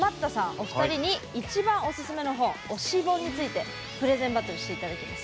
お二人に一番おすすめの本推し本についてプレゼンバトルしていただきます。